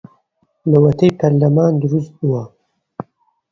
لەوەتەی پەرلەمان دروست بووە